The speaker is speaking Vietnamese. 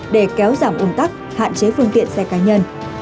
để kéo giảm un tắc hạn chế phương tiện xe cá nhân